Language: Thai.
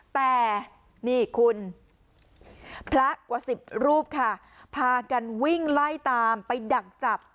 แต่นี่คุณพระกว่าสิบรูปค่ะพากันวิ่งไล่ตามไปดักจับ